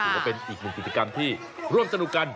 ก็เป็นอีกหนุ่มกิจกรรมที่ร่วมสนุกกัน